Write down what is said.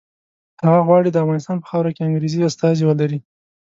هغه غواړي د افغانستان په خاوره کې انګریزي استازي ولري.